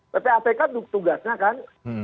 pt atk kan tugasnya kan